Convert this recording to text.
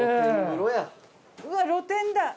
うわっ露天だ！